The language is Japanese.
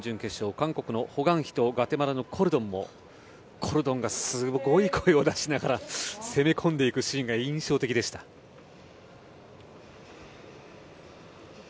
韓国のホ・グァンヒとグアテマラのコルドンもコルドンがすごい声を出しながら攻め込んでいくシーンが印象的でした。